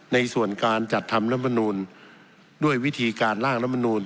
ในส่วนการจัดทำลำนุญด้วยวิธีการล่างลำนุญ